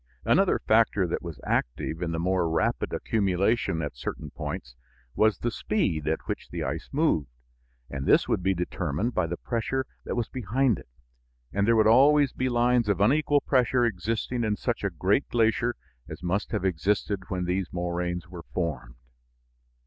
Another factor that was active in the more rapid accumulation at certain points was the speed at which the ice moved, and this would be determined by the pressure that was behind it, and there would always be lines of unequal pressure existing in such a great glacier as must have existed when these moraines were formed.